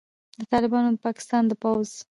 د طالبانو او د پاکستان د پوځ